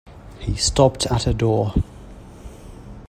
He stopped at a door.